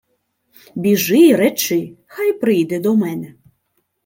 — Біжи й речи, хай прийде до мене.